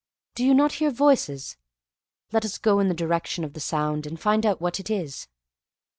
Do you not hear voices? Let us go in the direction of the sound, and find out what it is."